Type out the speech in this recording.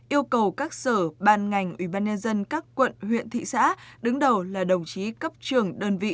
yêu cầu các sở ban ngành ubnd các quận huyện thị xã đứng đầu là đồng chí cấp trưởng đơn vị